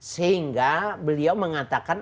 sehingga beliau mengatakan